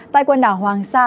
tại quần đảo hoàng sa